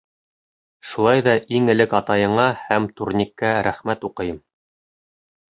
Шулай ҙа иң элек атайыңа һәм турникка рәхмәт уҡыйым.